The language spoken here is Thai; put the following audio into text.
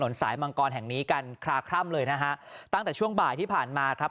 สายมังกรแห่งนี้กันคลาคร่ำเลยนะฮะตั้งแต่ช่วงบ่ายที่ผ่านมาครับ